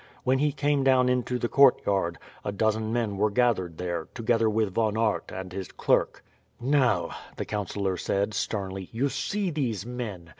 When he came down into the courtyard, a dozen men were gathered there, together with Von Aert and his clerk. "Now," the councillor said sternly, "you see these men.